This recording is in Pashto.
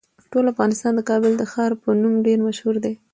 ټول افغانستان د کابل د ښار په نوم ډیر مشهور دی.